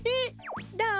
どう？